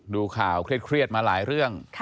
ดูข่าวเครียดมาหลายเรื่อง